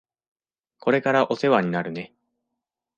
これからお世話になるね。